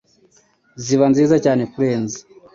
ziba nziza cyane kurenza